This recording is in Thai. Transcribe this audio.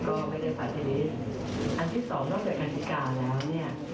ก็ไม่ได้ผ่านทีนี้อันที่สองนอกจากกฎิกาแล้วเนี่ย